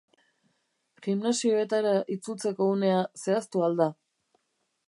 Gimnasioetara itzultzeko unea zehaztu al da?